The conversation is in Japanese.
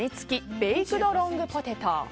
ベイクドロングポテト。